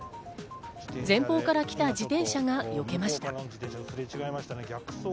前方から来た自転車がよけました。